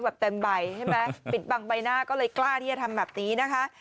แบบเต็มใบใช่ไหมปิดบังใบหน้าก็เลยกล้าที่จะทำแบบนี้นะคะ